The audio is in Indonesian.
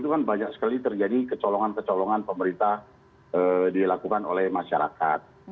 dua ribu dua puluh dua ribu dua puluh itu kan banyak sekali terjadi kecolongan kecolongan pemerintah dilakukan oleh masyarakat